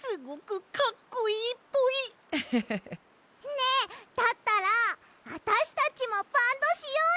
ねえだったらあたしたちもバンドしようよ！